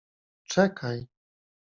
- Czekaj.